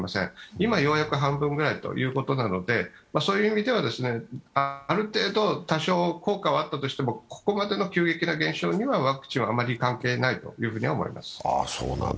今、ようやく半分くらいということなので、そういう意味ではある程度、多少、効果はあったとしてもここまでの急激な減少にはワクチンはあまり関係ないと思います。